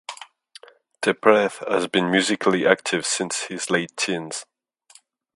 Deprez has been musically active since his late teens.